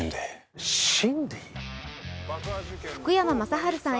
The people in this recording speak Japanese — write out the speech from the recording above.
福山雅治さん